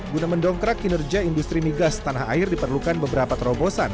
guna mendongkrak kinerja industri migas tanah air diperlukan beberapa terobosan